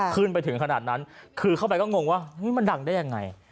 ขึ้นไปถึงขนาดนั้นคือเข้าไปก็งงว่ามันดังได้ยังไง